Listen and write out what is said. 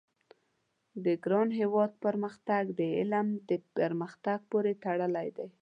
د ګران هېواد پرمختګ د علم د پرمختګ پوري تړلی دی